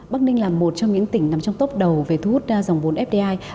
bắc ninh là một trong những tỉnh nằm trong tốc đầu về thu hút dòng vốn fdi